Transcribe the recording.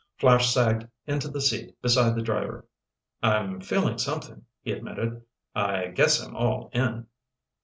Flash sagged into the seat beside the driver. "I'm feeling something," he admitted. "I guess I'm all in."